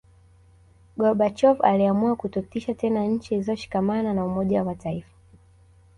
Gorbachov aliamua kutotisha tena nchi zilizoshikamana na Umoja wa mataifa